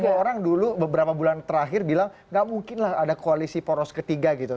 semua orang dulu beberapa bulan terakhir bilang nggak mungkinlah ada koalisi poros ketiga gitu